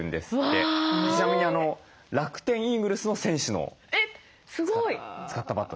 ちなみに楽天イーグルスの選手の使ったバット。